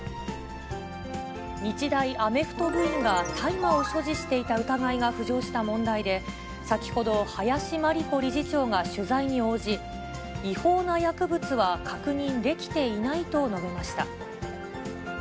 日大アメフト部員が大麻を所持していた疑いが浮上した問題で、先ほど、林真理子理事長が取材に応じ、違法な薬物は確認できていないと述べました。